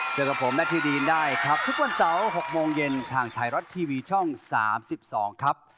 เจอกับผมนาทีดีนได้ครับทุกวันเสาร์๖โมงเย็นทางไทยรัฐทีวีช่อง๓๒ครับ